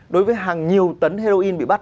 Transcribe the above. đối với hàng nhiều tấn heroin bị bắt